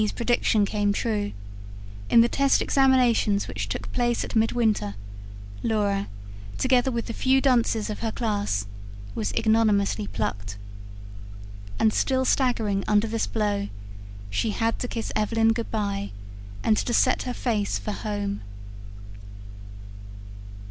's prediction came true: in the test examinations which took place at midwinter, Laura, together with the few dunces of her class, was ignominiously plucked. And still staggering under this blow, she had to kiss Evelyn good bye, and to set her face for home.